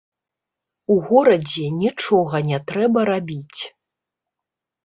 У горадзе нічога не трэба рабіць.